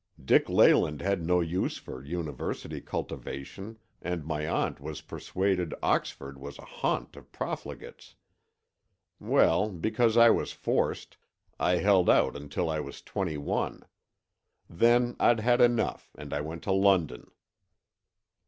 Dick Leyland had no use for university cultivation and my aunt was persuaded Oxford was a haunt of profligates. Well, because I was forced, I held out until I was twenty one. Then I'd had enough and I went to London."